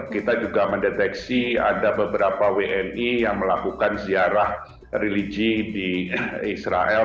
kita juga mendeteksi ada beberapa wni yang melakukan ziarah religi di israel